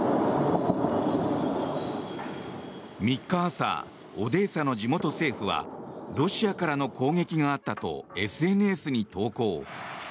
３日朝、オデーサの地元政府はロシアからの攻撃があったとＳＮＳに投稿。